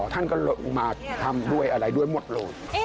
ท่านก็ลงมาทำด้วยอะไรด้วยหมดเลย